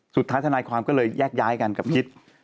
สุดท้ายทนายความก็เลยแยกย้ายกันกับพิษ